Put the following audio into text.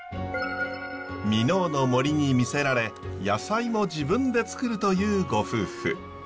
箕面の森に魅せられ野菜も自分でつくるというご夫婦。